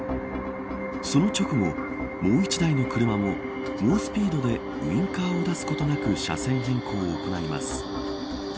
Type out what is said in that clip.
その直後もう１台の車も猛スピードでウインカーを出すことなく車線変更を行います。